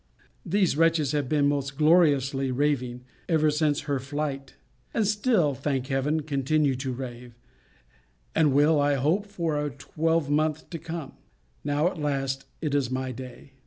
These wretches have been most gloriously raving, ever since her flight; and still, thank Heaven, continue to rave; and will, I hope, for a twelvemonth to come. Now, at last, it is my day!